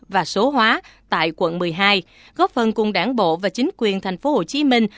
và số hóa tại quận một mươi hai góp phần cùng đảng bộ và chính quyền thành phố hồ chí minh